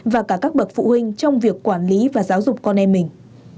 và cả các bậc phụ huynh trong việc quản lý và giáo dục con em mình